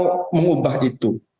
mau mengubah itu